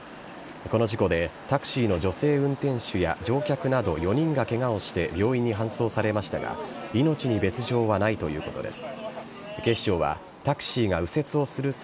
この事故でタクシーの女性運転手や乗客など４人がケガをして病院に搬送されましたが命に別条はないということです。